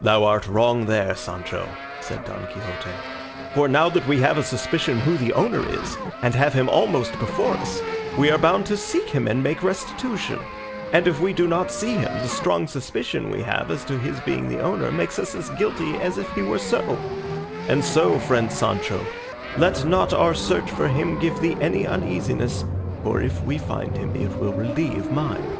"Thou art wrong there, Sancho," said Don Quixote, "for now that we have a suspicion who the owner is, and have him almost before us, we are bound to seek him and make restitution; and if we do not see him, the strong suspicion we have as to his being the owner makes us as guilty as if he were so; and so, friend Sancho, let not our search for him give thee any uneasiness, for if we find him it will relieve mine."